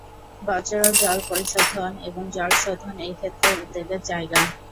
বর্জ্য জল পরিশোধন এবং জল শোধন এই ক্ষেত্রে উদ্বেগের যায়গা।